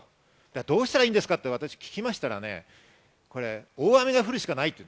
どうしたらいいんですかと私が聞きましたら、大雨が降るしかないと。